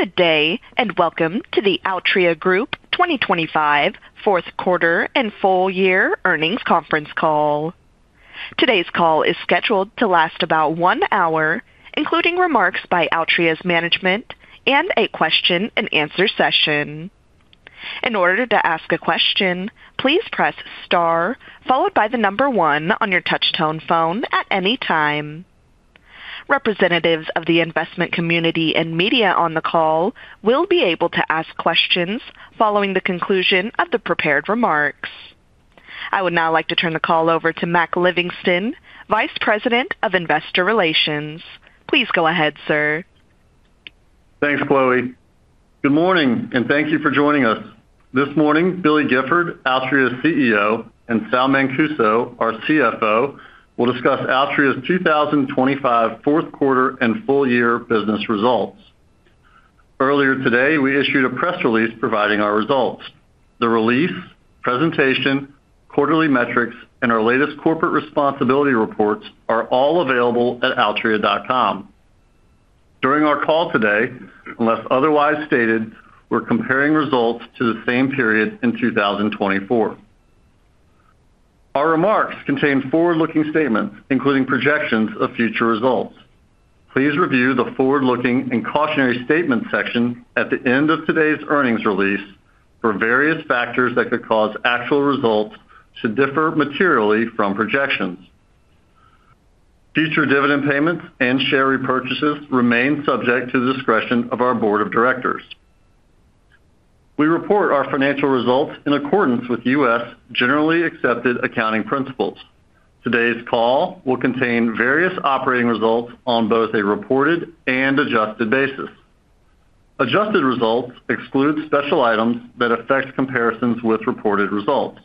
Good day, and welcome to the Altria Group 2025 fourth quarter and full year earnings conference call. Today's call is scheduled to last about 1 hour, including remarks by Altria's management and a question and answer session. In order to ask a question, please press star followed by the number 1 on your touchtone phone at any time. Representatives of the investment community and media on the call will be able to ask questions following the conclusion of the prepared remarks. I would now like to turn the call over to Mac Livingston, Vice President of Investor Relations. Please go ahead, sir. Thanks, Chloe. Good morning, and thank you for joining us. This morning, Billy Gifford, Altria's CEO, and Sal Mancuso, our CFO, will discuss Altria's 2025 fourth quarter and full year business results. Earlier today, we issued a press release providing our results. The release, presentation, quarterly metrics, and our latest corporate responsibility reports are all available at altria.com. During our call today, unless otherwise stated, we're comparing results to the same period in 2024. Our remarks contain forward-looking statements, including projections of future results. Please review the forward-looking and cautionary statement section at the end of today's earnings release for various factors that could cause actual results to differ materially from projections. Future dividend payments and share repurchases remain subject to the discretion of our board of directors. We report our financial results in accordance with U.S. generally accepted accounting principles. Today's call will contain various operating results on both a reported and adjusted basis. Adjusted results exclude special items that affect comparisons with reported results.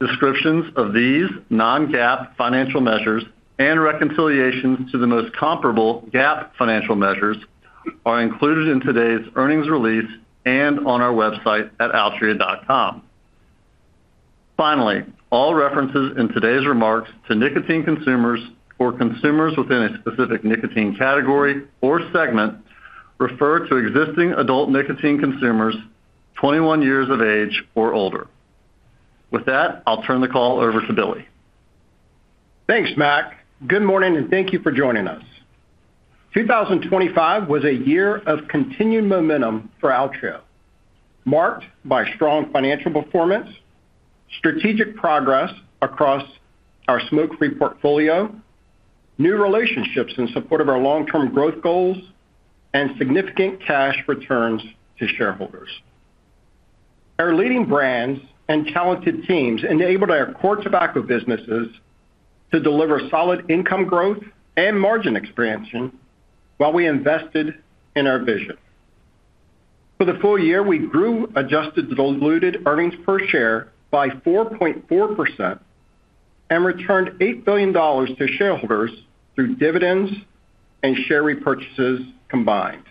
Descriptions of these non-GAAP financial measures and reconciliations to the most comparable GAAP financial measures are included in today's earnings release and on our website at altria.com. Finally, all references in today's remarks to nicotine consumers or consumers within a specific nicotine category or segment, refer to existing adult nicotine consumers, 21 years of age or older. With that, I'll turn the call over to Billy. Thanks, Mac. Good morning, and thank you for joining us. 2025 was a year of continued momentum for Altria, marked by strong financial performance, strategic progress across our smoke-free portfolio, new relationships in support of our long-term growth goals, and significant cash returns to shareholders. Our leading brands and talented teams enabled our core tobacco businesses to deliver solid income growth and margin expansion while we invested in our vision. For the full year, we grew adjusted diluted earnings per share by 4.4% and returned $8 billion to shareholders through dividends and share repurchases combined.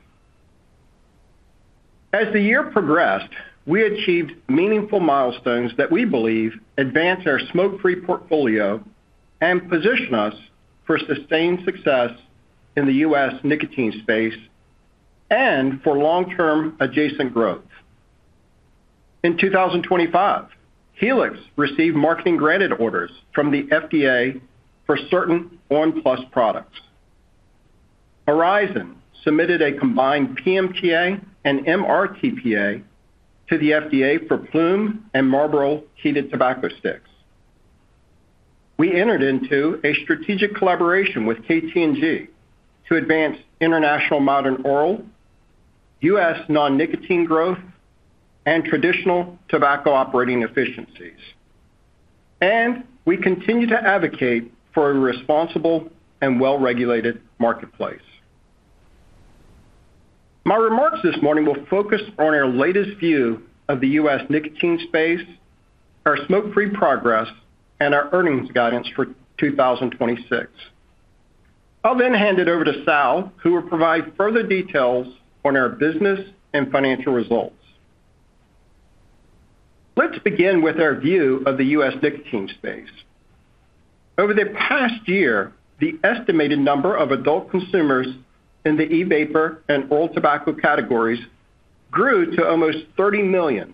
As the year progressed, we achieved meaningful milestones that we believe advance our smoke-free portfolio and position us for sustained success in the U.S. nicotine space and for long-term adjacent growth. In 2025, Helix received marketing granted orders from the FDA for certain on! PLUS products. Horizon submitted a combined PMTA and MRTPA to the FDA for Ploom and Marlboro heated tobacco sticks. We entered into a strategic collaboration with KT&G to advance international modern oral, U.S. non-nicotine growth, and traditional tobacco operating efficiencies, and we continue to advocate for a responsible and well-regulated marketplace. My remarks this morning will focus on our latest view of the U.S. nicotine space, our smoke-free progress, and our earnings guidance for 2026. I'll then hand it over to Sal, who will provide further details on our business and financial results. Let's begin with our view of the U.S. nicotine space. Over the past year, the estimated number of adult consumers in the e-vapor and oral tobacco categories grew to almost 30 million,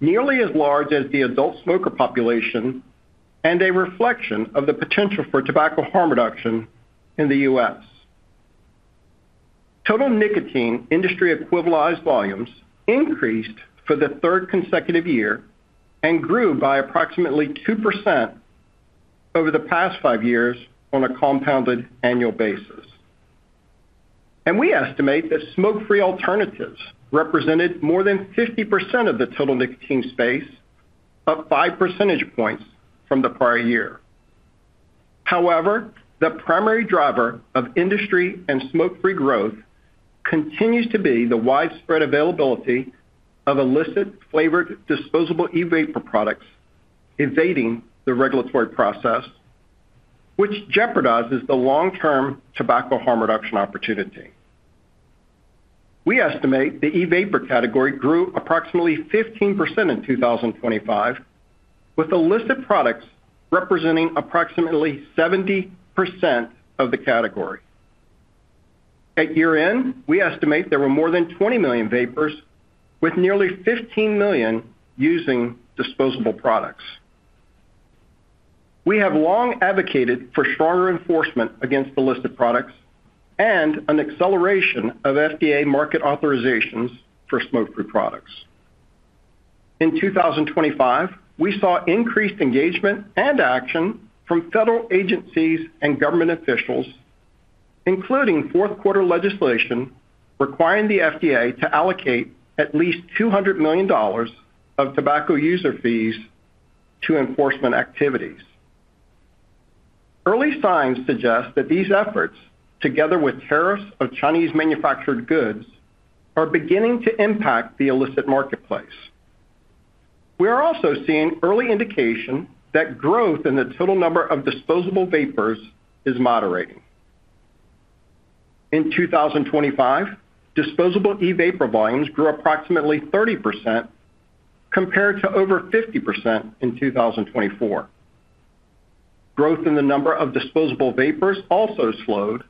nearly as large as the adult smoker population, and a reflection of the potential for tobacco harm reduction in the U.S. Total nicotine industry equivalized volumes increased for the third consecutive year and grew by approximately 2% over the past 5 years on a compounded annual basis. We estimate that smoke-free alternatives represented more than 50% of the total nicotine space, up 5 percentage points from the prior year. However, the primary driver of industry and smoke-free growth continues to be the widespread availability of illicit flavored, disposable e-vapor products, evading the regulatory process, which jeopardizes the long-term tobacco harm reduction opportunity. We estimate the e-vapor category grew approximately 15% in 2025.... With illicit products representing approximately 70% of the category. At year-end, we estimate there were more than 20 million vapers, with nearly 15 million using disposable products. We have long advocated for stronger enforcement against illicit products and an acceleration of FDA market authorizations for smoke-free products. In 2025, we saw increased engagement and action from federal agencies and government officials, including fourth quarter legislation, requiring the FDA to allocate at least $200 million of tobacco user fees to enforcement activities. Early signs suggest that these efforts, together with tariffs of Chinese manufactured goods, are beginning to impact the illicit marketplace. We are also seeing early indication that growth in the total number of disposable vapers is moderating. In 2025, disposable e-vapor volumes grew approximately 30% compared to over 50% in 2024. Growth in the number of disposable vapers also slowed,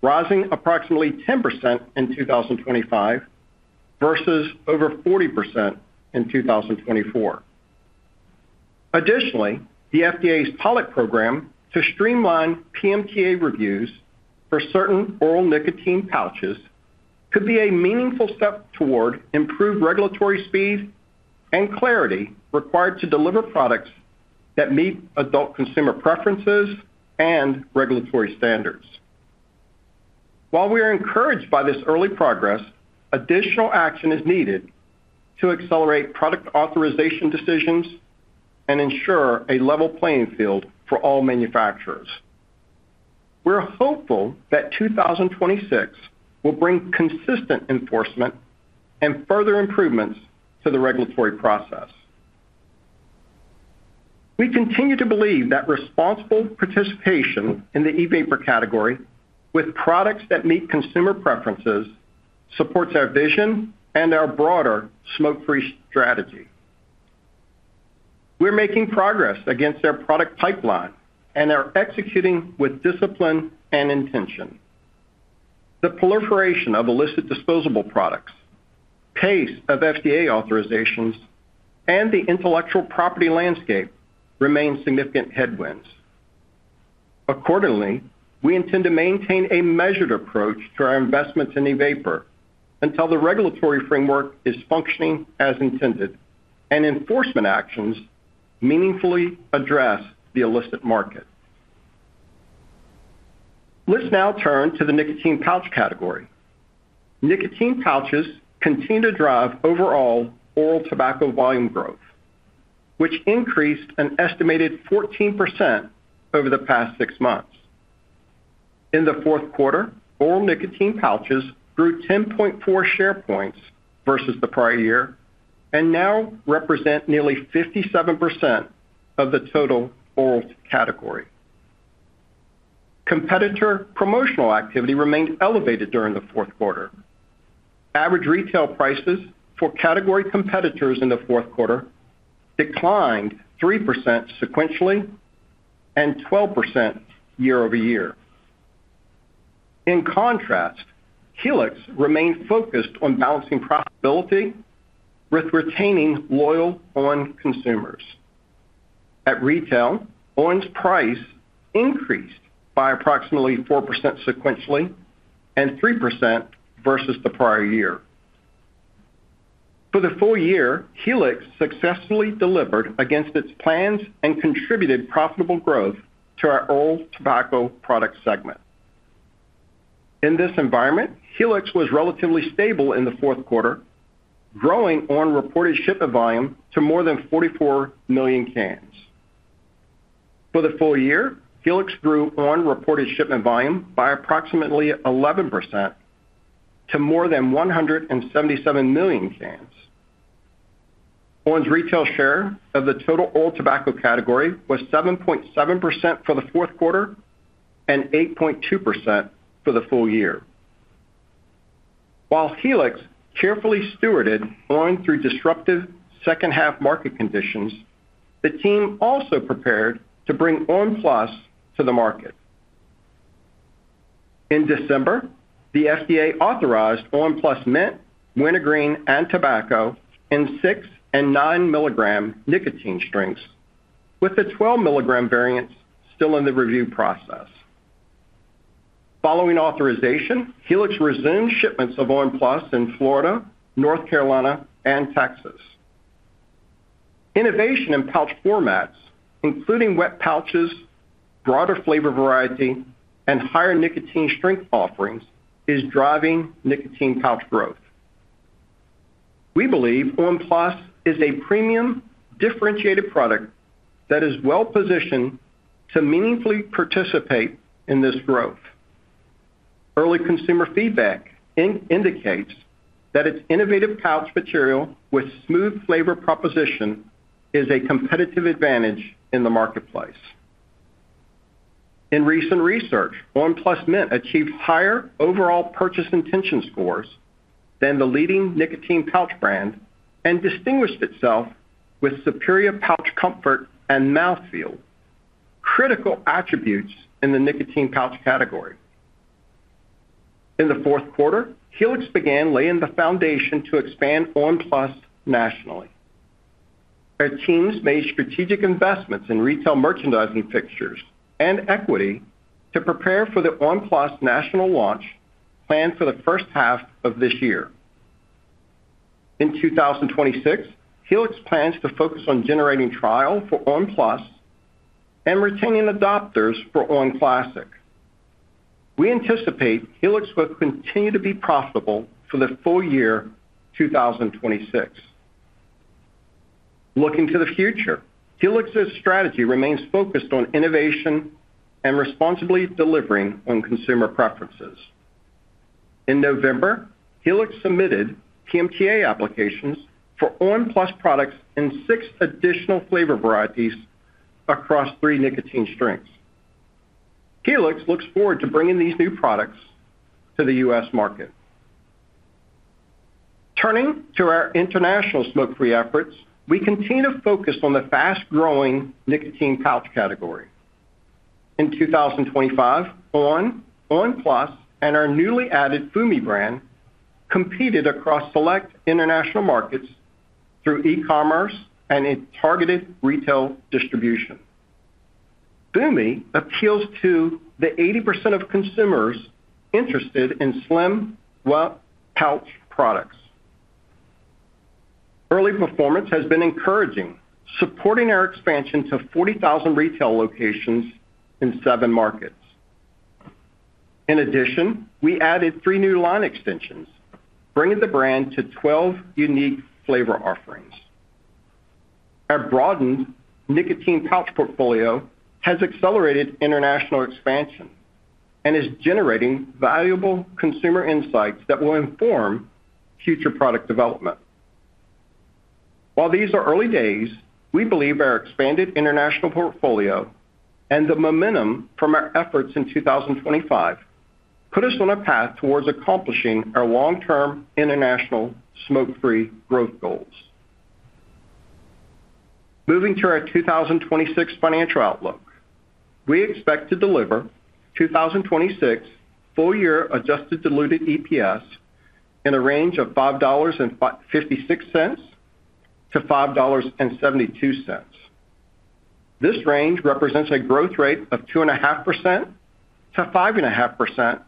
rising approximately 10% in 2025, versus over 40% in 2024. Additionally, the FDA's pilot program to streamline PMTA reviews for certain oral nicotine pouches could be a meaningful step toward improved regulatory speed and clarity required to deliver products that meet adult consumer preferences and regulatory standards. While we are encouraged by this early progress, additional action is needed to accelerate product authorization decisions and ensure a level playing field for all manufacturers. We're hopeful that 2026 will bring consistent enforcement and further improvements to the regulatory process. We continue to believe that responsible participation in the e-vapor category, with products that meet consumer preferences, supports our vision and our broader smoke-free strategy. We're making progress against our product pipeline and are executing with discipline and intention. The proliferation of illicit disposable products, pace of FDA authorizations, and the intellectual property landscape remain significant headwinds. Accordingly, we intend to maintain a measured approach to our investments in e-vapor, until the regulatory framework is functioning as intended, and enforcement actions meaningfully address the illicit market. Let's now turn to the nicotine pouch category. Nicotine pouches continue to drive overall oral tobacco volume growth, which increased an estimated 14% over the past six months. In the fourth quarter, oral nicotine pouches grew 10.4 share points versus the prior year, and now represent nearly 57% of the total oral category. Competitor promotional activity remained elevated during the fourth quarter. Average retail prices for category competitors in the fourth quarter declined 3% sequentially and 12% year-over-year. In contrast, Helix remained focused on balancing profitability with retaining loyal on! consumers. At retail, on!'s price increased by approximately 4% sequentially and 3% versus the prior year. For the full year, Helix successfully delivered against its plans and contributed profitable growth to our oral tobacco product segment. In this environment, Helix was relatively stable in the fourth quarter, growing on! reported shipment volume to more than 44 million cans. For the full year, Helix grew on! reported shipment volume by approximately 11% to more than 177 million cans. on!'s retail share of the total oral tobacco category was 7.7% for the fourth quarter and 8.2% for the full year. While Helix carefully stewarded going through disruptive second half market conditions, the team also prepared to bring on! PLUS to the market. In December, the FDA authorized on! PLUS Mint, Wintergreen, and Tobacco in 6 and 9 milligram nicotine strengths, with the 12 milligram variant still in the review process. Following authorization, Helix resumed shipments of on! PLUS in Florida, North Carolina, and Texas. Innovation in pouch formats, including wet pouches, broader flavor variety, and higher nicotine strength offerings, is driving nicotine pouch growth. We believe on! PLUS is a premium, differentiated product that is well positioned to meaningfully participate in this growth. Early consumer feedback indicates that its innovative pouch material with smooth flavor proposition is a competitive advantage in the marketplace. In recent research, on! PLUS Mint achieved higher overall purchase intention scores than the leading nicotine pouch brand, and distinguished itself with superior pouch comfort and mouthfeel, critical attributes in the nicotine pouch category. In the fourth quarter, Helix began laying the foundation to expand on! PLUS nationally. Our teams made strategic investments in retail merchandising fixtures and equity to prepare for the on! PLUS national launch planned for the first half of this year. In 2026, Helix plans to focus on generating trial for on! PLUS and retaining adopters for on! Classic. We anticipate Helix will continue to be profitable for the full year 2026. Looking to the future, Helix's strategy remains focused on innovation and responsibly delivering on consumer preferences. In November, Helix submitted PMTA applications for on! PLUS products in 6 additional flavor varieties across 3 nicotine strengths. Helix looks forward to bringing these new products to the U.S. market. Turning to our international smoke-free efforts, we continue to focus on the fast-growing nicotine pouch category. In 2025, on!, on! PLUS, and our newly added Fumi brand competed across select international markets through e-commerce and a targeted retail distribution. Fumi appeals to the 80% of consumers interested in slim white pouch products. Early performance has been encouraging, supporting our expansion to 40,000 retail locations in seven markets. In addition, we added three new line extensions, bringing the brand to 12 unique flavor offerings. Our broadened nicotine pouch portfolio has accelerated international expansion and is generating valuable consumer insights that will inform future product development. While these are early days, we believe our expanded international portfolio and the momentum from our efforts in 2025 put us on a path towards accomplishing our long-term international smoke-free growth goals. Moving to our 2026 financial outlook. We expect to deliver 2026 full year Adjusted Diluted EPS in a range of $5.56-$5.72. This range represents a growth rate of 2.5%-5.5%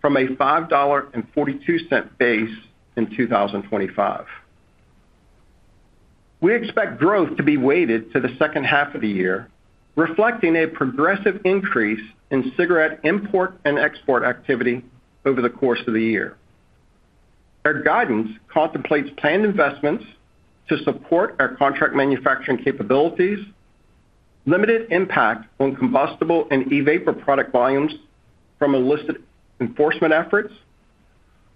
from a $5.42 base in 2025. We expect growth to be weighted to the second half of the year, reflecting a progressive increase in cigarette import and export activity over the course of the year. Our guidance contemplates planned investments to support our contract manufacturing capabilities, limited impact on combustible and e-vapor product volumes from illicit enforcement efforts,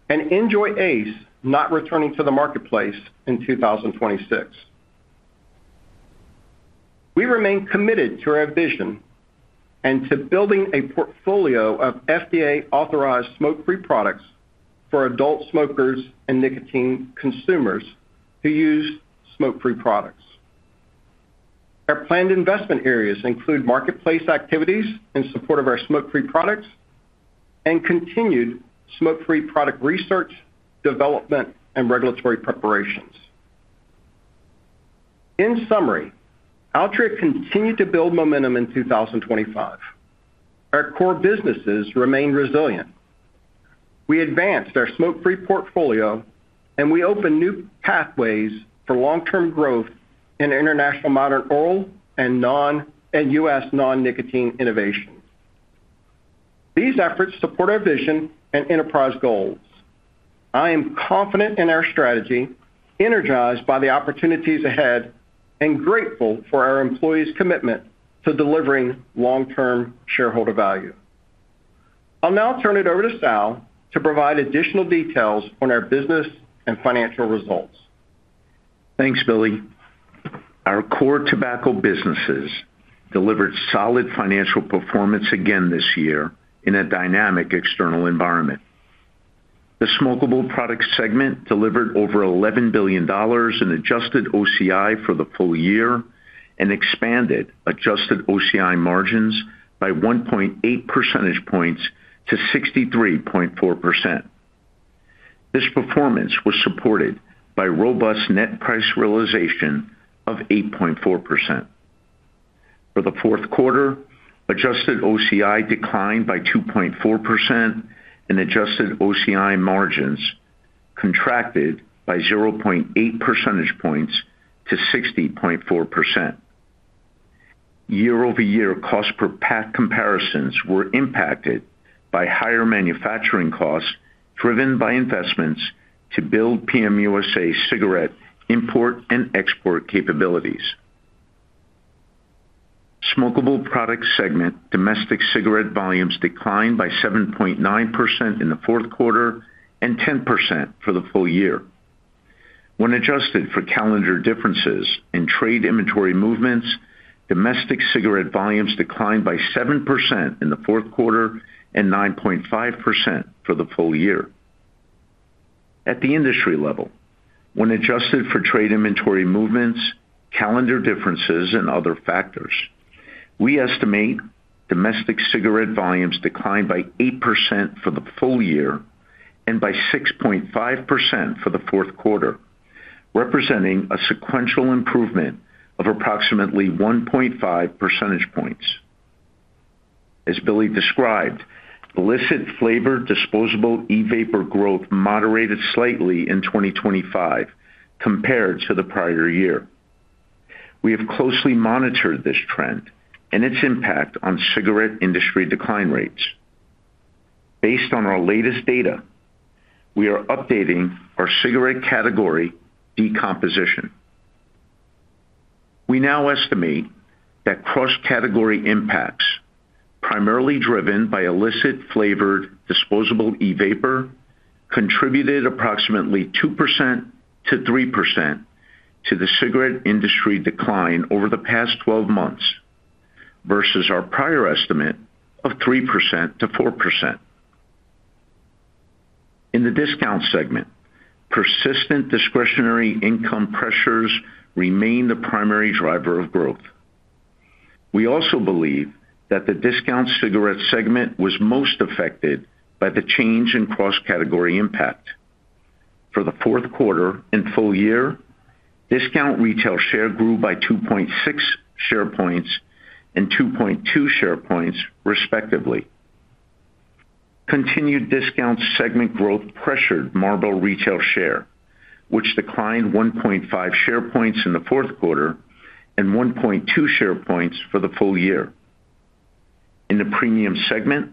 and NJOY Ace not returning to the marketplace in 2026. We remain committed to our vision and to building a portfolio of FDA-authorized smoke-free products for adult smokers and nicotine consumers who use smoke-free products. Our planned investment areas include marketplace activities in support of our smoke-free products and continued smoke-free product research, development, and regulatory preparations. In summary, Altria continued to build momentum in 2025. Our core businesses remained resilient. We advanced our smoke-free portfolio, and we opened new pathways for long-term growth in international modern oral and non- and US non-nicotine innovations. These efforts support our vision and enterprise goals. I am confident in our strategy, energized by the opportunities ahead, and grateful for our employees' commitment to delivering long-term shareholder value. I'll now turn it over to Sal to provide additional details on our business and financial results. Thanks, Billy. Our core tobacco businesses delivered solid financial performance again this year in a dynamic external environment. The smokable product segment delivered over $11 billion in adjusted OCI for the full year and expanded adjusted OCI margins by 1.8 percentage points to 63.4%. This performance was supported by robust net price realization of 8.4%. For the fourth quarter, adjusted OCI declined by 2.4%, and adjusted OCI margins contracted by 0.8 percentage points to 60.4%. Year-over-year cost per pack comparisons were impacted by higher manufacturing costs, driven by investments to build PM USA cigarette import and export capabilities. Smokable product segment, domestic cigarette volumes declined by 7.9% in the fourth quarter and 10% for the full year.... When adjusted for calendar differences in trade inventory movements, domestic cigarette volumes declined by 7% in the fourth quarter and 9.5% for the full year. At the industry level, when adjusted for trade inventory movements, calendar differences, and other factors, we estimate domestic cigarette volumes declined by 8% for the full year and by 6.5% for the fourth quarter, representing a sequential improvement of approximately 1.5 percentage points. As Billy described, illicit flavored disposable e-vapor growth moderated slightly in 2025 compared to the prior year. We have closely monitored this trend and its impact on cigarette industry decline rates. Based on our latest data, we are updating our cigarette category decomposition. We now estimate that cross-category impacts, primarily driven by illicit flavored disposable e-vapor, contributed approximately 2%-3% to the cigarette industry decline over the past 12 months, versus our prior estimate of 3%-4%. In the discount segment, persistent discretionary income pressures remain the primary driver of growth. We also believe that the discount cigarette segment was most affected by the change in cross-category impact. For the fourth quarter and full year, discount retail share grew by 2.6 share points and 2.2 share points, respectively. Continued discount segment growth pressured Marlboro retail share, which declined 1.5 share points in the fourth quarter and 1.2 share points for the full year. In the premium segment,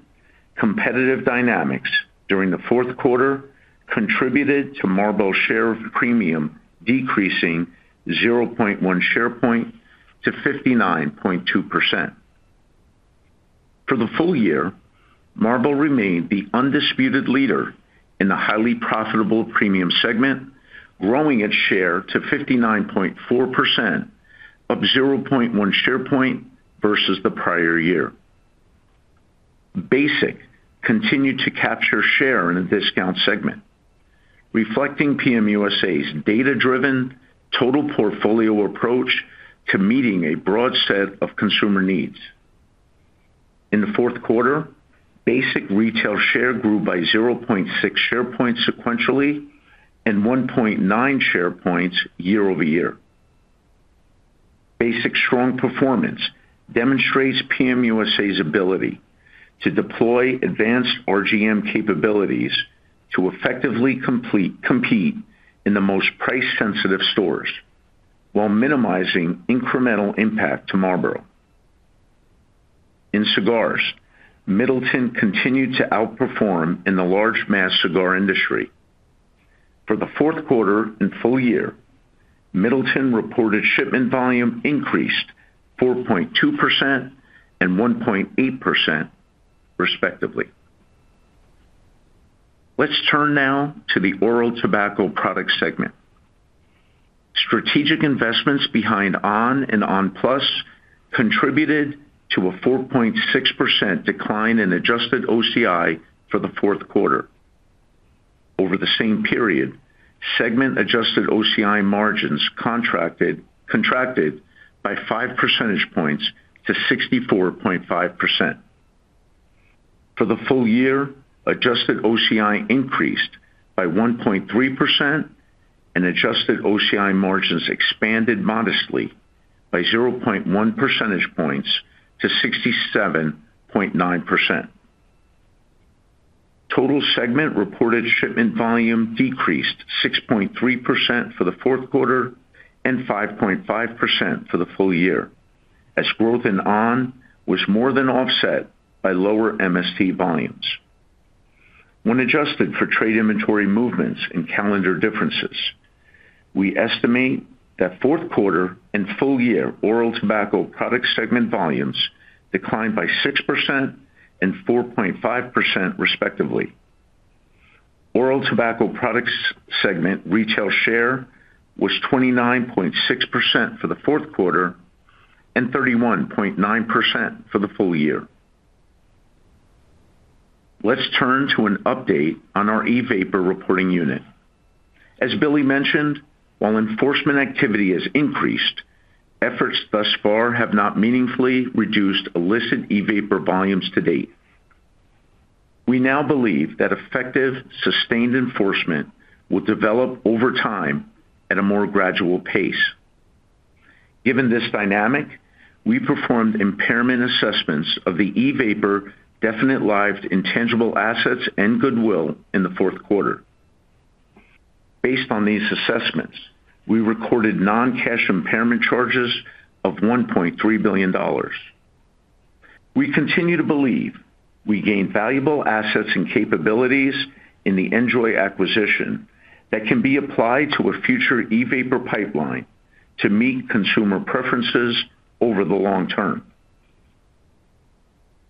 competitive dynamics during the fourth quarter contributed to Marlboro share premium, decreasing 0.1 share point to 59.2%. For the full year, Marlboro remained the undisputed leader in the highly profitable premium segment, growing its share to 59.4%, up 0.1 share point versus the prior year. Basic continued to capture share in the discount segment, reflecting PM USA's data-driven total portfolio approach to meeting a broad set of consumer needs. In the fourth quarter, Basic retail share grew by 0.6 share points sequentially and 1.9 share points year-over-year. Basic's strong performance demonstrates PM USA's ability to deploy advanced RGM capabilities to effectively compete in the most price-sensitive stores, while minimizing incremental impact to Marlboro. In cigars, Middleton continued to outperform in the large mass cigar industry. For the fourth quarter and full year, Middleton! reported shipment volume increased 4.2% and 1.8%, respectively. Let's turn now to the oral tobacco product segment. Strategic investments behind on! and on! PLUS contributed to a 4.6% decline in adjusted OCI for the fourth quarter. Over the same period, segment adjusted OCI margins contracted by five percentage points to 64.5%. For the full year, adjusted OCI increased by 1.3%, and adjusted OCI margins expanded modestly by 0.1 percentage points to 67.9%. Total segment reported shipment volume decreased 6.3% for the fourth quarter and 5.5% for the full year, as growth in on! was more than offset by lower MST volumes. When adjusted for trade inventory movements and calendar differences, we estimate that fourth quarter and full year oral tobacco product segment volumes declined by 6% and 4.5%, respectively. Oral tobacco products segment retail share was 29.6% for the fourth quarter and 31.9% for the full year. Let's turn to an update on our e-vapor reporting unit. As Billy mentioned, while enforcement activity has increased, efforts thus far have not meaningfully reduced illicit e-vapor volumes to date. We now believe that effective, sustained enforcement will develop over time at a more gradual pace. Given this dynamic, we performed impairment assessments of the e-vapor definite-lived intangible assets and goodwill in the fourth quarter. Based on these assessments, we recorded non-cash impairment charges of $1.3 billion. We continue to believe we gained valuable assets and capabilities in the NJOY acquisition that can be applied to a future e-vapor pipeline to meet consumer preferences over the long term.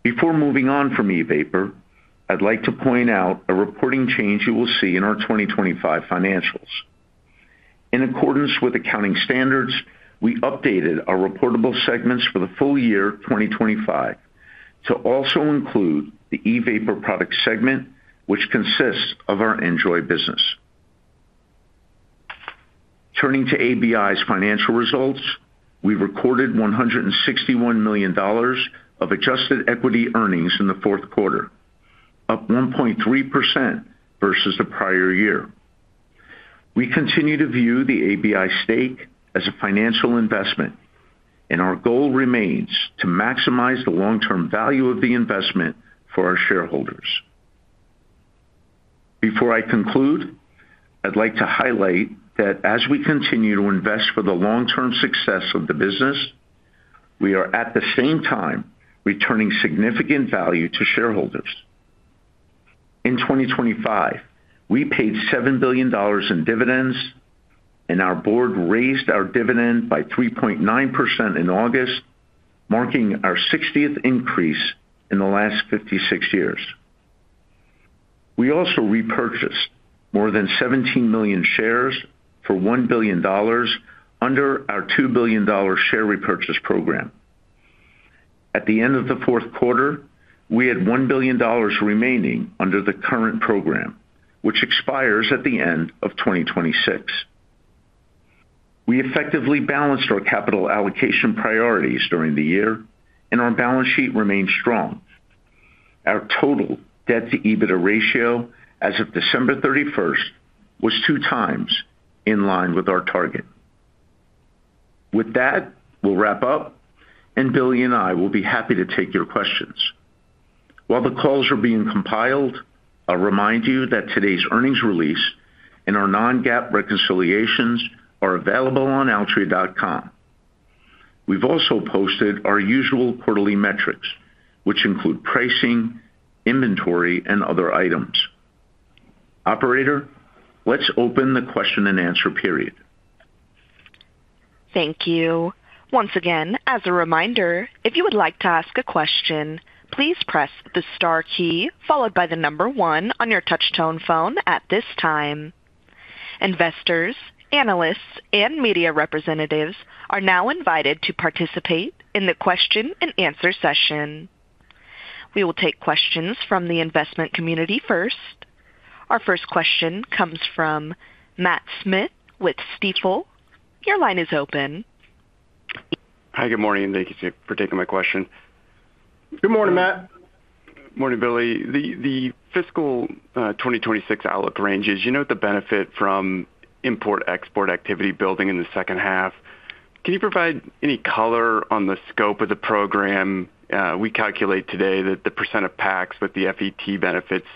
Before moving on from e-vapor, I'd like to point out a reporting change you will see in our 2025 financials. In accordance with accounting standards, we updated our reportable segments for the full year 2025, to also include the e-vapor product segment, which consists of our NJOY business. Turning to ABI's financial results, we recorded $161 million of adjusted equity earnings in the fourth quarter, up 1.3% versus the prior year. We continue to view the ABI stake as a financial investment, and our goal remains to maximize the long-term value of the investment for our shareholders. Before I conclude, I'd like to highlight that as we continue to invest for the long-term success of the business, we are at the same time returning significant value to shareholders. In 2025, we paid $7 billion in dividends, and our board raised our dividend by 3.9% in August, marking our 60th increase in the last 56 years. We also repurchased more than 17 million shares for $1 billion under our $2 billion share repurchase program. At the end of the fourth quarter, we had $1 billion remaining under the current program, which expires at the end of 2026. We effectively balanced our capital allocation priorities during the year, and our balance sheet remains strong. Our total debt-to-EBITDA ratio as of December 31 was 2x in line with our target. With that, we'll wrap up, and Billy and I will be happy to take your questions. While the calls are being compiled, I'll remind you that today's earnings release and our non-GAAP reconciliations are available on altria.com. We've also posted our usual quarterly metrics, which include pricing, inventory, and other items. Operator, let's open the question-and-answer period. Thank you. Once again, as a reminder, if you would like to ask a question, please press the star key followed by the number 1 on your touchtone phone at this time. Investors, analysts, and media representatives are now invited to participate in the question-and-answer session. We will take questions from the investment community first. Our first question comes from Matt Smith with Stifel. Your line is open. Hi, good morning, and thank you for taking my question. Good morning, Matt. Morning, Billy. The fiscal 2026 outlook ranges, you know, the benefit from import/export activity building in the second half. Can you provide any color on the scope of the program? We calculate today that the percent of packs with the FET benefits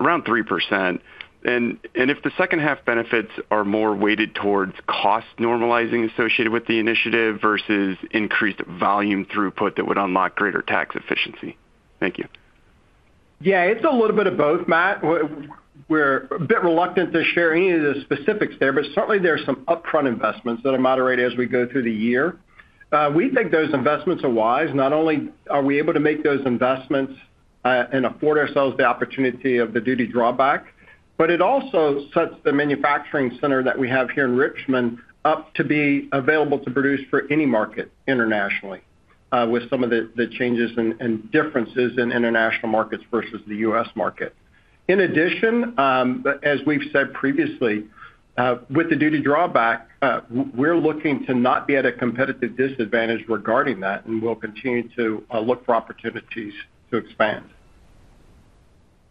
around 3%. And if the second half benefits are more weighted towards cost normalizing associated with the initiative versus increased volume throughput, that would unlock greater tax efficiency. Thank you. Yeah, it's a little bit of both, Matt. We're a bit reluctant to share any of the specifics there, but certainly, there are some upfront investments that are moderated as we go through the year. We think those investments are wise. Not only are we able to make those investments and afford ourselves the opportunity of the duty drawback, but it also sets the manufacturing center that we have here in Richmond up to be available to produce for any market internationally, with some of the changes and differences in international markets versus the U.S. market. In addition, as we've said previously, with the duty drawback, we're looking to not be at a competitive disadvantage regarding that, and we'll continue to look for opportunities to expand.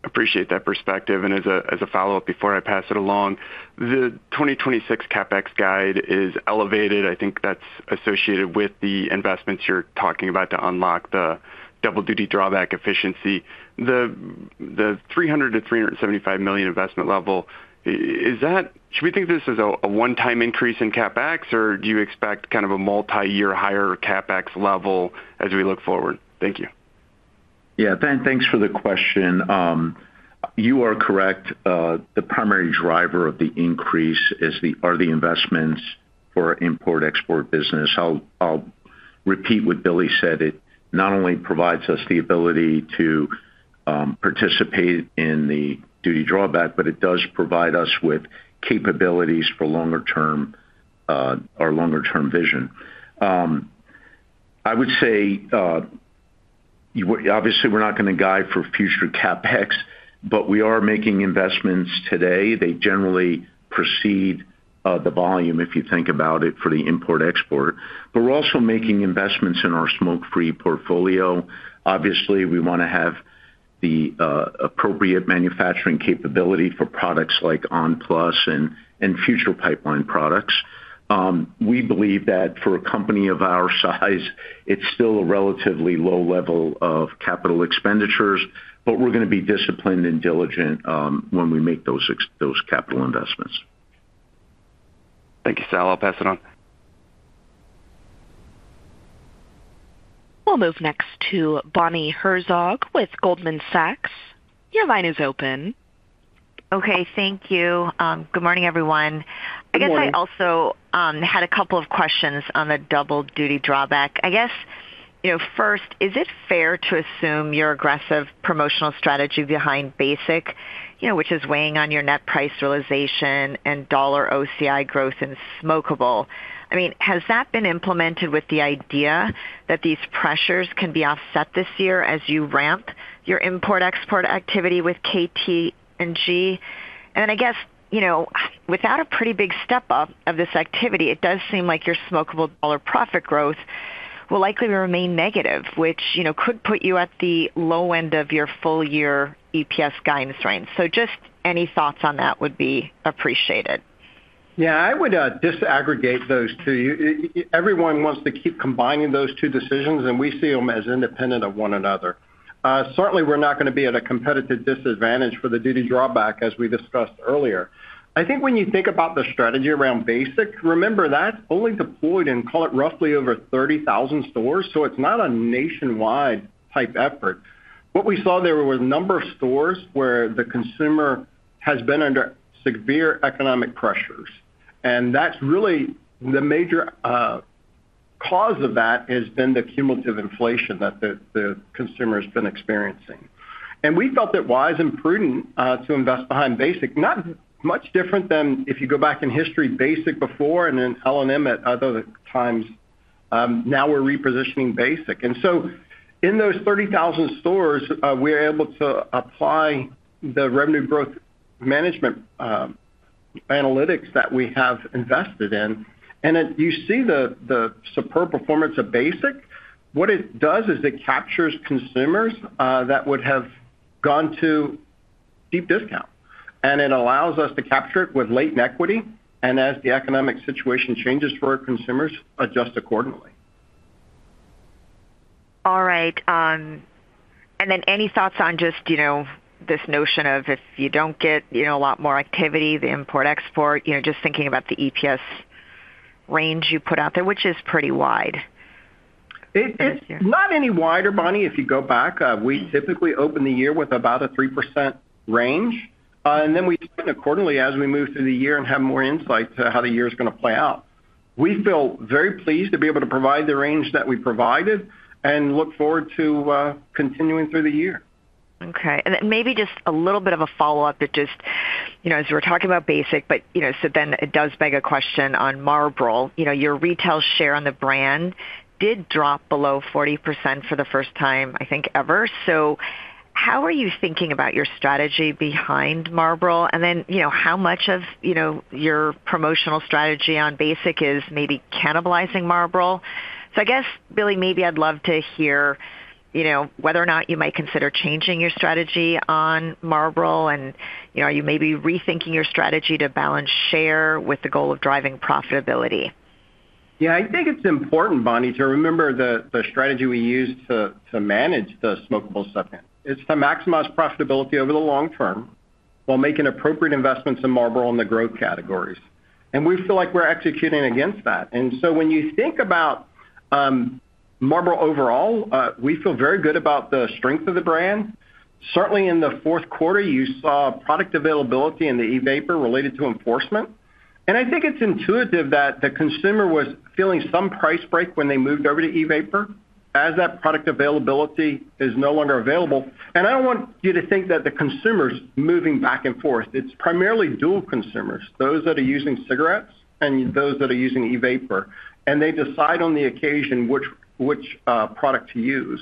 Appreciate that perspective. As a follow-up, before I pass it along, the 2026 CapEx guide is elevated. I think that's associated with the investments you're talking about to unlock the double duty drawback efficiency. The $300 million-$375 million investment level, is that—should we think of this as a one-time increase in CapEx, or do you expect kind of a multiyear higher CapEx level as we look forward? Thank you. Yeah, thanks for the question. You are correct. The primary driver of the increase is are the investments for our import/export business. I'll repeat what Billy said. It not only provides us the ability to participate in the Duty Drawback, but it does provide us with capabilities for longer term, our longer-term vision. I would say, obviously, we're not going to guide for future CapEx, but we are making investments today. They generally precede the volume, if you think about it, for the import/export. But we're also making investments in our smoke-free portfolio. Obviously, we want to have the appropriate manufacturing capability for products like on! PLUS and future pipeline products. We believe that for a company of our size, it's still a relatively low level of capital expenditures, but we're going to be disciplined and diligent when we make those capital investments. Thank you, Sal. I'll pass it on. We'll move next to Bonnie Herzog with Goldman Sachs. Your line is open. ... Okay, thank you. Good morning, everyone. Good morning. I guess I also had a couple of questions on the duty drawback. I guess, you know, first, is it fair to assume your aggressive promotional strategy behind Basic, you know, which is weighing on your net price realization and dollar OCI growth in smokable? I mean, has that been implemented with the idea that these pressures can be offset this year as you ramp your import-export activity with KT&G? And then I guess, you know, without a pretty big step up of this activity, it does seem like your smokable dollar profit growth will likely remain negative, which, you know, could put you at the low end of your full year EPS guidance range. So just any thoughts on that would be appreciated. Yeah, I would disaggregate those two. Everyone wants to keep combining those two decisions, and we see them as independent of one another. Certainly, we're not going to be at a competitive disadvantage for the duty drawback, as we discussed earlier. I think when you think about the strategy around Basic, remember, that's only deployed in, call it, roughly over 30,000 stores, so it's not a nationwide type effort. What we saw there were a number of stores where the consumer has been under severe economic pressures, and that's really the major cause of that has been the cumulative inflation that the consumer has been experiencing. And we felt it wise and prudent to invest behind Basic. Not much different than if you go back in history, Basic before and then L&M at other times. Now we're repositioning Basic. And so in those 30,000 stores, we're able to apply the revenue growth management analytics that we have invested in. And as you see the superb performance of Basic, what it does is it captures consumers that would have gone to deep discount, and it allows us to capture it with latent equity, and as the economic situation changes for our consumers, adjust accordingly. All right. And then any thoughts on just, you know, this notion of if you don't get, you know, a lot more activity, the import-export, you know, just thinking about the EPS range you put out there, which is pretty wide this year? It's not any wider, Bonnie. If you go back, we typically open the year with about a 3% range, and then we plan accordingly as we move through the year and have more insight to how the year is going to play out. We feel very pleased to be able to provide the range that we provided and look forward to continuing through the year. Okay. And then maybe just a little bit of a follow-up. It just, you know, as we're talking about Basic, but, you know, so then it does beg a question on Marlboro. You know, your retail share on the brand did drop below 40% for the first time, I think, ever. So how are you thinking about your strategy behind Marlboro? And then, you know, how much of, you know, your promotional strategy on Basic is maybe cannibalizing Marlboro? So I guess, Billy, maybe I'd love to hear, you know, whether or not you might consider changing your strategy on Marlboro and, you know, are you maybe rethinking your strategy to balance share with the goal of driving profitability? Yeah, I think it's important, Bonnie, to remember the strategy we used to manage the smokable segment. It's to maximize profitability over the long term while making appropriate investments in Marlboro and the growth categories. And we feel like we're executing against that. And so when you think about Marlboro overall, we feel very good about the strength of the brand. Certainly, in the fourth quarter, you saw product availability in the e-vapor related to enforcement, and I think it's intuitive that the consumer was feeling some price break when they moved over to e-vapor. As that product availability is no longer available. And I don't want you to think that the consumer's moving back and forth. It's primarily dual consumers, those that are using cigarettes and those that are using e-vapor, and they decide on the occasion which product to use.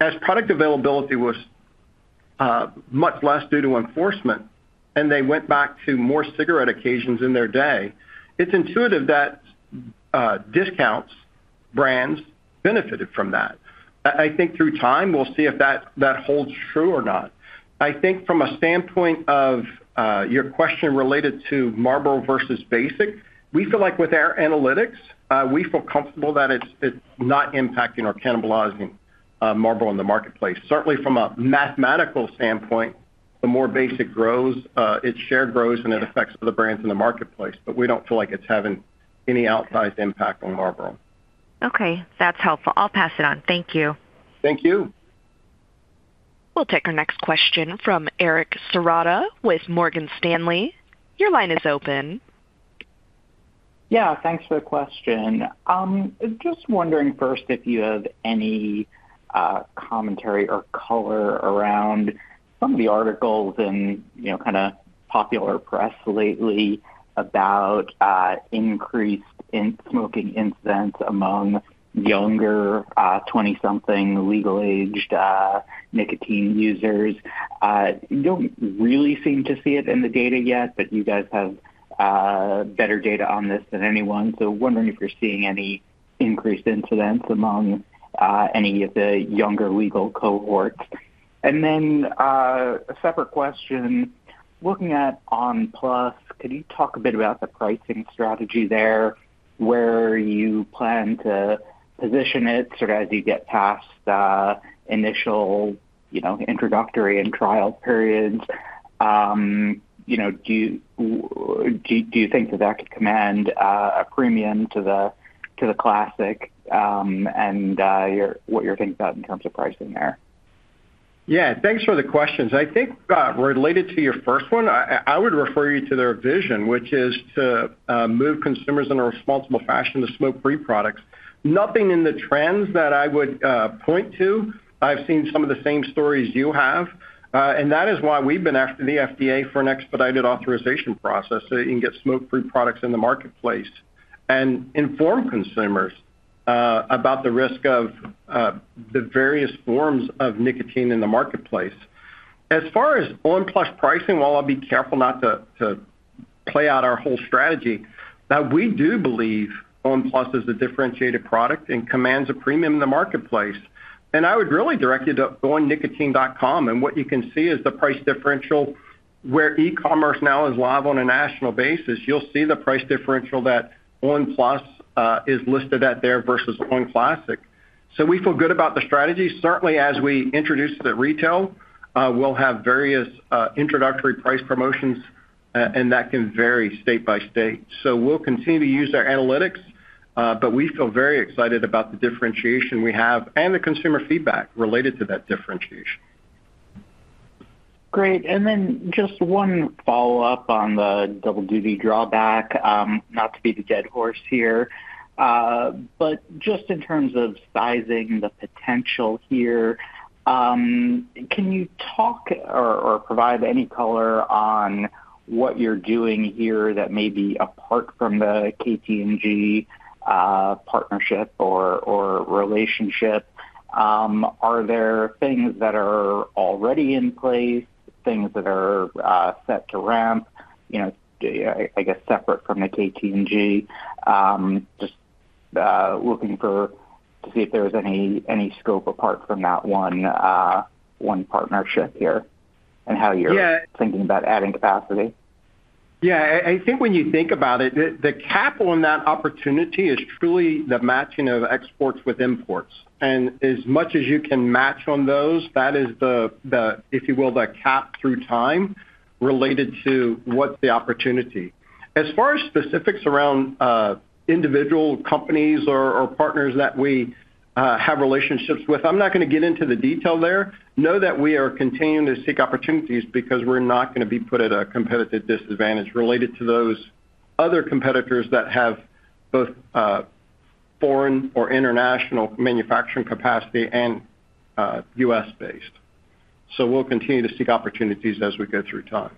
As product availability was much less due to enforcement, and they went back to more cigarette occasions in their day, it's intuitive that discount brands benefited from that. I think through time, we'll see if that holds true or not. I think from a standpoint of your question related to Marlboro versus Basic, we feel like with our analytics, we feel comfortable that it's not impacting or cannibalizing Marlboro in the marketplace. Certainly, from a mathematical standpoint, the more Basic grows, its share grows, and it affects the brands in the marketplace, but we don't feel like it's having any outsized impact on Marlboro. Okay, that's helpful. I'll pass it on. Thank you. Thank you. We'll take our next question from Eric Serotta with Morgan Stanley. Your line is open. Yeah, thanks for the question. Just wondering first if you have any commentary or color around some of the articles in, you know, kind of popular press lately about increase in smoking incidence among younger, twenty-something, legal-aged nicotine users. You don't really seem to see it in the data yet, but you guys have better data on this than anyone, so wondering if you're seeing any increased incidence among any of the younger legal cohorts. Then, a separate question. Looking at ON+, can you talk a bit about the pricing strategy there, where you plan to position it, sort of as you get past the initial, you know, introductory and trial periods? You know, do you think that could command a premium to the classic, and what you're thinking about in terms of pricing there?... Yeah, thanks for the questions. I think, related to your first one, I would refer you to their vision, which is to, move consumers in a responsible fashion to smoke-free products. Nothing in the trends that I would, point to. I've seen some of the same stories you have, and that is why we've been after the FDA for an expedited authorization process, so you can get smoke-free products in the marketplace and inform consumers, about the risk of, the various forms of nicotine in the marketplace. As far as on! PLUS pricing, while I'll be careful not to, play out our whole strategy, that we do believe on! PLUS is a differentiated product and commands a premium in the marketplace. And I would really direct you to go on-nicotine.com, and what you can see is the price differential, where e-commerce now is live on a national basis. You'll see the price differential that on! PLUS is listed at there versus on! Classic. So we feel good about the strategy. Certainly, as we introduce to retail, we'll have various introductory price promotions, and that can vary state by state. So we'll continue to use our analytics, but we feel very excited about the differentiation we have and the consumer feedback related to that differentiation. Great. And then just one follow-up on the duty drawback, not to beat a dead horse here. But just in terms of sizing the potential here, can you talk or provide any color on what you're doing here that may be apart from the KT&G partnership or relationship? Are there things that are already in place, things that are set to ramp, you know, I guess, separate from the KT&G? Just looking for to see if there was any scope apart from that one partnership here and how you're- Yeah. thinking about adding capacity. Yeah, I, I think when you think about it, the, the cap on that opportunity is truly the matching of exports with imports. And as much as you can match on those, that is the, the, if you will, the cap through time related to what's the opportunity. As far as specifics around individual companies or partners that we have relationships with, I'm not going to get into the detail there. Know that we are continuing to seek opportunities because we're not going to be put at a competitive disadvantage related to those other competitors that have both foreign or international manufacturing capacity and U.S.-based. So we'll continue to seek opportunities as we go through time.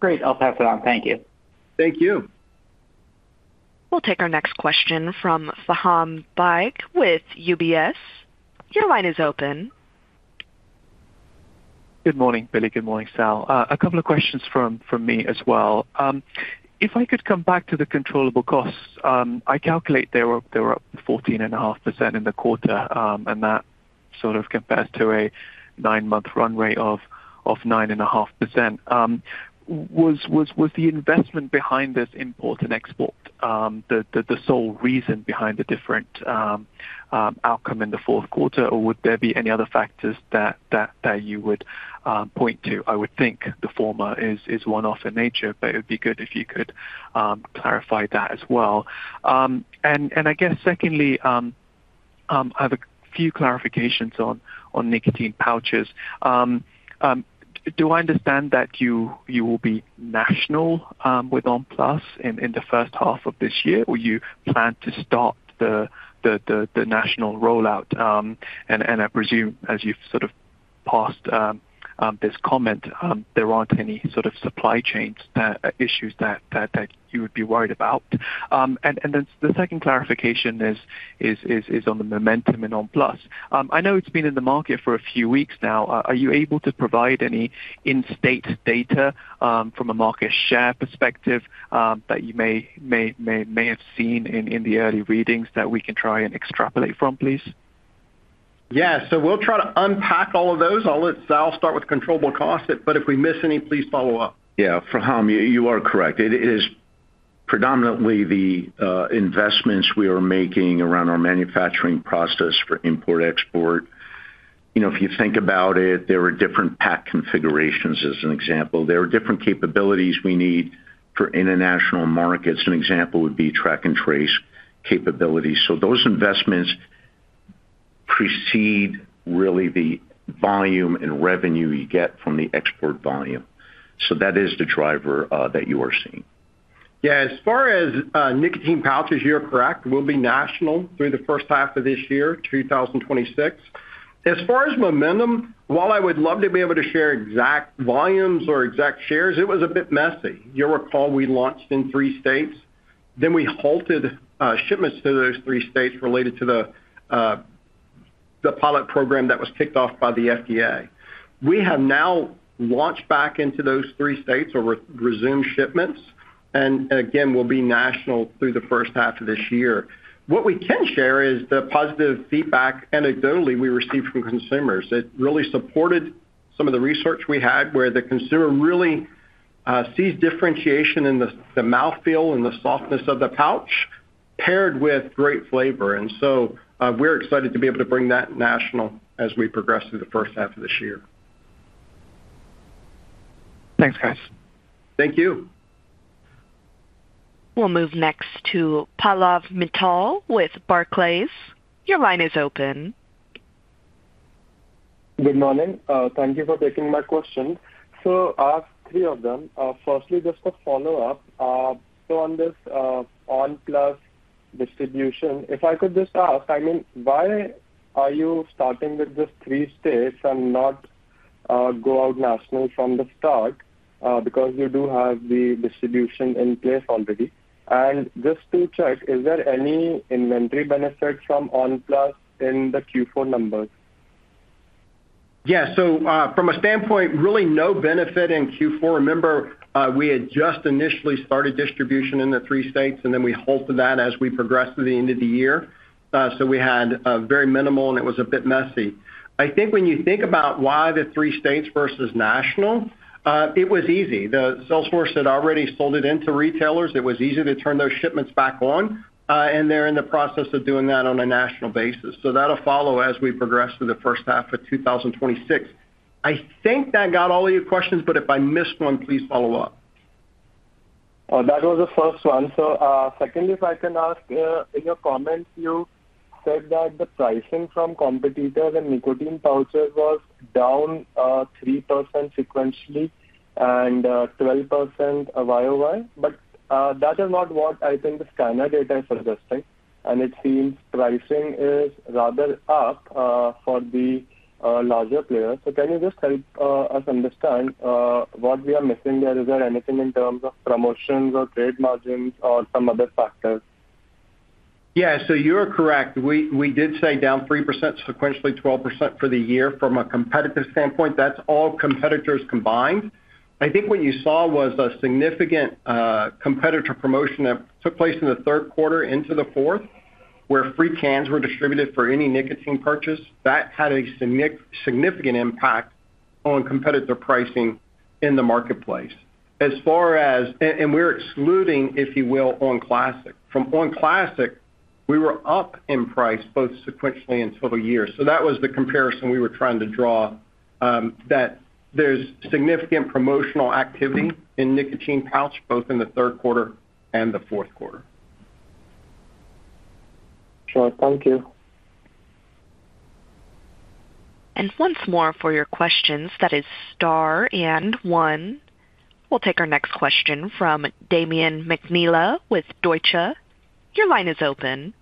Great. I'll pass it on. Thank you. Thank you. We'll take our next question from Faham Baig with UBS. Your line is open. Good morning, Billy. Good morning, Sal. A couple of questions from me as well. If I could come back to the controllable costs, I calculate they were up 14.5% in the quarter, and that sort of compares to a nine-month run rate of 9.5%. Was the investment behind this import and export the sole reason behind the different outcome in the fourth quarter, or would there be any other factors that you would point to? I would think the former is one-off in nature, but it would be good if you could clarify that as well. And I guess secondly, I have a few clarifications on nicotine pouches. Do I understand that you will be national with on! PLUS in the first half of this year? Or you plan to start the national rollout, and I presume, as you've sort of passed this comment, there aren't any sort of supply chains issues that you would be worried about. And then the second clarification is on the momentum in on! PLUS. I know it's been in the market for a few weeks now. Are you able to provide any in-state data from a market share perspective that you may have seen in the early readings that we can try and extrapolate from, please? Yeah. So we'll try to unpack all of those. I'll let Sal start with controllable costs, but if we miss any, please follow up. Yeah. Faham, you are correct. It is predominantly the investments we are making around our manufacturing process for import/export. You know, if you think about it, there are different pack configurations, as an example. There are different capabilities we need for international markets. An example would be track and trace capabilities. So those investments precede really the volume and revenue you get from the export volume. So that is the driver that you are seeing. Yeah. As far as, nicotine pouches, you're correct. We'll be national through the first half of this year, 2026. As far as momentum, while I would love to be able to share exact volumes or exact shares, it was a bit messy. You'll recall we launched in three states, then we halted, shipments to those three states related to the, the pilot program that was kicked off by the FDA. We have now launched back into those three states or re-resumed shipments, and again, we'll be national through the first half of this year. What we can share is the positive feedback anecdotally we received from consumers. It really supported some of the research we had, where the consumer really, sees differentiation in the, the mouthfeel and the softness of the pouch, paired with great flavor. We're excited to be able to bring that national as we progress through the first half of this year. Thanks, guys. Thank you. We'll move next to Pallav Mittal with Barclays. Your line is open. Good morning. Thank you for taking my question. So I have three of them. Firstly, just a follow-up. So on this, On+ distribution, if I could just ask, I mean, why are you starting with just three states and not go out national from the start? Because you do have the distribution in place already. And just to check, is there any inventory benefit from on! PLUS in the Q4 numbers? Yeah. So, from a standpoint, really no benefit in Q4. Remember, we had just initially started distribution in the three states, and then we halted that as we progressed through the end of the year. So we had, very minimal, and it was a bit messy. I think when you think about why the three states versus national, it was easy. The sales force had already sold it into retailers. It was easy to turn those shipments back on, and they're in the process of doing that on a national basis. So that'll follow as we progress through the first half of 2026. I think that got all of your questions, but if I missed one, please follow up. That was the first one. So, secondly, if I can ask, in your comments, you said that the pricing from competitors and nicotine pouches was down 3% sequentially and 12% YOY, but that is not what I think the scanner data is suggesting, and it seems pricing is rather up for the larger players. So can you just help us understand what we are missing there? Is there anything in terms of promotions or trade margins or some other factors? Yeah, so you're correct. We did say down 3% sequentially, 12% for the year from a competitive standpoint. That's all competitors combined. I think what you saw was a significant competitor promotion that took place in the third quarter into the fourth, where free cans were distributed for any nicotine purchase. That had a significant impact on competitor pricing in the marketplace. As far as... And we're excluding, if you will, on! Classic. From on! Classic, we were up in price, both sequentially and total years. So that was the comparison we were trying to draw, that there's significant promotional activity in nicotine pouch, both in the third quarter and the fourth quarter. Sure. Thank you. Once more for your questions, that is star and one. We'll take our next question from Damian McNeela with Deutsche. Your line is open.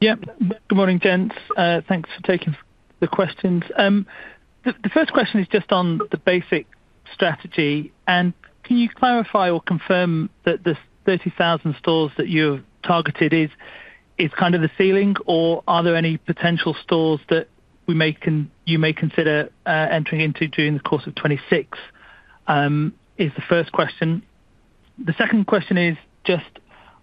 Yeah. Good morning, gents. Thanks for taking the questions. The first question is just on the basic strategy, and can you clarify or confirm that the 30,000 stores that you've targeted is kind of the ceiling, or are there any potential stores that you may consider entering into during the course of 2026? The second question is just,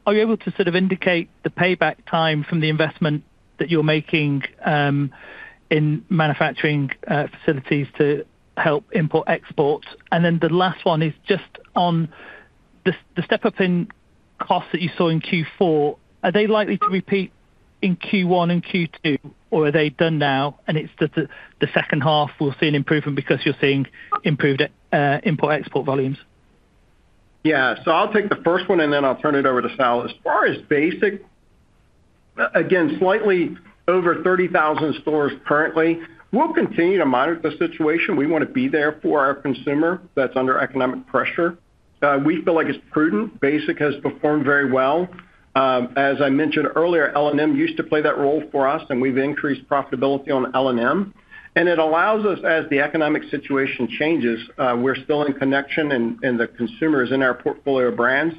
are you able to sort of indicate the payback time from the investment that you're making in manufacturing facilities to help import/export? And then the last one is just on the step-up in costs that you saw in Q4, are they likely to repeat in Q1 and Q2, or are they done now, and it's just the second half will see an improvement because you're seeing improved import/export volumes? Yeah. So I'll take the first one, and then I'll turn it over to Sal. As far as Basic, again, slightly over 30,000 stores currently. We'll continue to monitor the situation. We want to be there for our consumer that's under economic pressure. We feel like it's prudent. Basic has performed very well. As I mentioned earlier, L&M used to play that role for us, and we've increased profitability on L&M, and it allows us, as the economic situation changes, we're still in connection with the consumers in our portfolio of brands.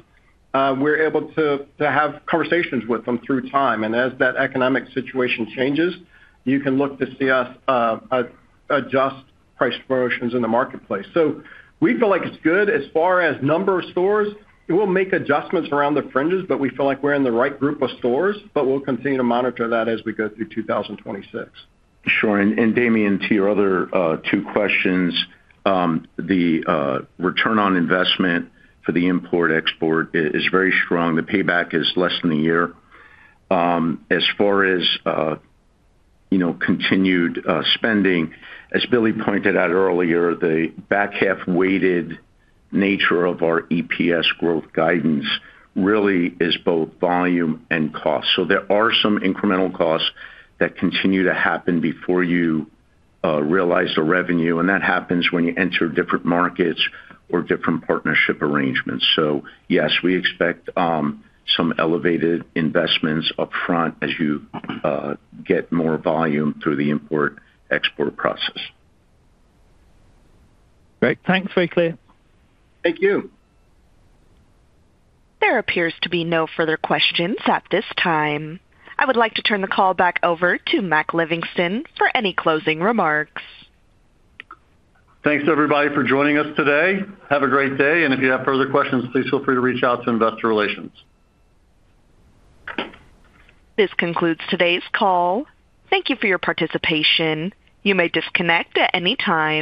We're able to have conversations with them through time, and as that economic situation changes, you can look to see us adjust price promotions in the marketplace. So we feel like it's good. As far as number of stores, we'll make adjustments around the fringes, but we feel like we're in the right group of stores, but we'll continue to monitor that as we go through 2026. Sure. And Damian, to your other two questions, the return on investment for the import/export is very strong. The payback is less than a year. As far as, you know, continued spending, as Billy pointed out earlier, the back half-weighted nature of our EPS growth guidance really is both volume and cost. So there are some incremental costs that continue to happen before you realize the revenue, and that happens when you enter different markets or different partnership arrangements. So yes, we expect some elevated investments upfront as you get more volume through the import/export process. Great. Thanks. Very clear. Thank you. There appears to be no further questions at this time. I would like to turn the call back over to Mac Livingston for any closing remarks. Thanks, everybody, for joining us today. Have a great day, and if you have further questions, please feel free to reach out to Investor Relations. This concludes today's call. Thank you for your participation. You may disconnect at any time.